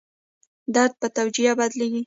درد په توجیه بدلېږي.